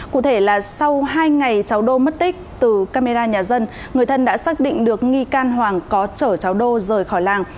cụ thể là sau hai ngày cháu đô mất tích từ camera nhà dân người thân đã xác định được nghi can hoàng có chở cháu đô rời khỏi làng